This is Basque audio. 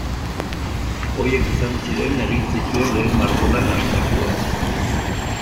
Horiek izan ziren egin zituen lehen margolan abstraktuak.